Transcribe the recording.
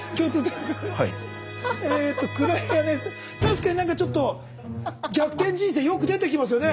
確かに何かちょっと「逆転人生」よく出てきますよね。